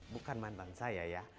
bukan mantan saya ya